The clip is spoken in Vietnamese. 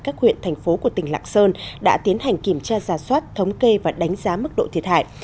các huyện thành phố của tỉnh lạng sơn đã tiến hành kiểm tra giả soát thống kê và đánh giá mức độ thiệt hại